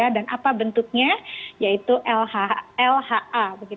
dan apa bentuknya yaitu lha